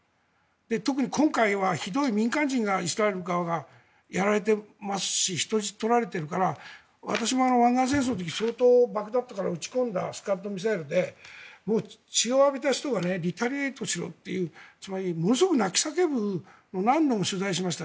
特に今回はひどい民間人がイスラエル側がやられてますし人質に取られているから私も湾岸戦争の時に相当バグダッドから撃ち込んだスカッドミサイルで血を浴びた人がリタリエートするつまりものすごく泣き叫ぶ何度も取材しました。